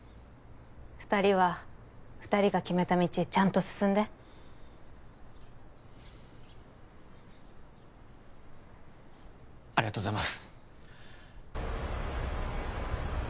２人は２人が決めた道ちゃんと進んでありがとうございます